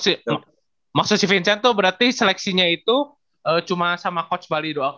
maksudnya si vincent tuh berarti seleksinya itu cuma sama coach bali doang